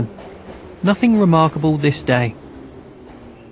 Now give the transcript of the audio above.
Nothing remarkable this day.